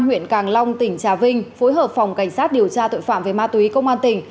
huyện càng long tỉnh trà vinh phối hợp phòng cảnh sát điều tra tội phạm về ma túy công an tỉnh